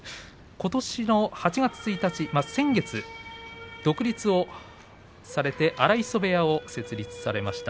ことしの８月１日独立をされて荒磯部屋を設立されました。